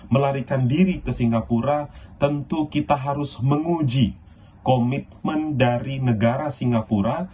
melarikan diri ke singapura tentu kita harus menguji komitmen dari negara singapura